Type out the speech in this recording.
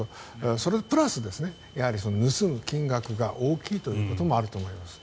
それプラス盗む金額が大きいということもあると思います。